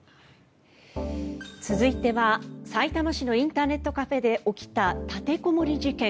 続いては、さいたま市のインターネットカフェで起きた立てこもり事件。